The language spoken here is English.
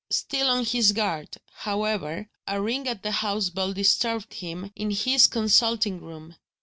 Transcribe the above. Still on his guard, however, a ring at the house bell disturbed him in his consulting room.